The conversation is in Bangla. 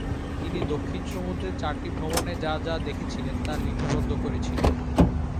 তিনি দক্ষিণ সমুদ্রে চারটি ভ্রমণে যা যা দেখেছিলেন তা লিপিবদ্ধ করেছিলেন।